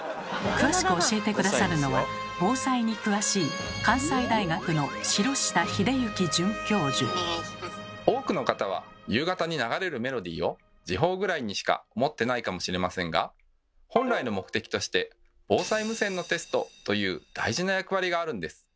詳しく教えて下さるのは防災に詳しい多くの方は夕方に流れるメロディーを時報ぐらいにしか思ってないかもしれませんが本来の目的として「防災無線のテスト」という大事な役割があるんです。